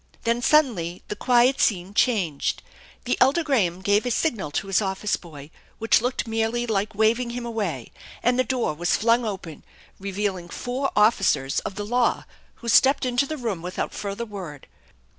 Then suddenly the quiet scene changed. The elder Graham gave a signal to his office boy, which looked merely like waving him away, and the door was flung open, revealing four officers of the law, who stepped into the room without further word.